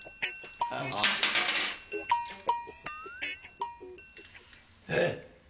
あっ。えっ？